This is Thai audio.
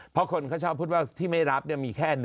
เพราะคนเขาชอบพูดว่าที่ไม่รับมีแค่๑